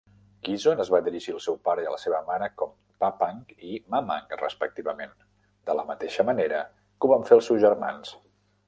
Quizon es va dirigir al seu pare i a la seva mare com "Papang" i "Mamang", respectivament, de la mateixa manera que ho van fer els seus germans.